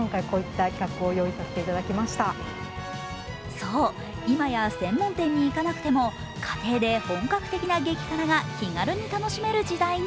そう、今や専門店に行かなくても家庭で本格的な激辛が気軽に楽しめる時代に。